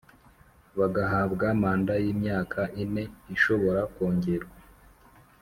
bagahabwa manda y imyaka ine ishobora ko ngerwa